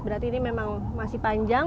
berarti ini memang masih panjang